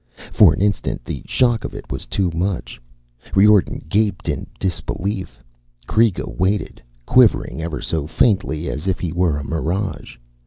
For an instant, the shock of it was too much; Riordan gaped in disbelief. Kreega waited, quivering ever so faintly as if he were a mirage.